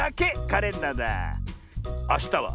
あしたは？